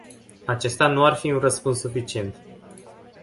Acesta nu ar fi un răspuns suficient.